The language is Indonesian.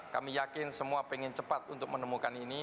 kami yakin semua pengen cepat untuk menemukan ini